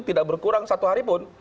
tidak berkurang satu hari pun